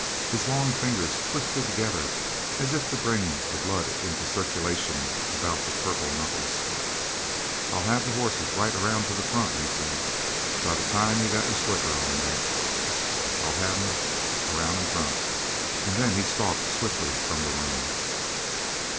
His long fingers twisted together, as if to bring the blood into circulation about the purple knuckles. "I'll have the hosses right around to the front," he said. "By the time you got your slicker on, Mac, I'll have 'em around in front!" And he stalked swiftly from the room.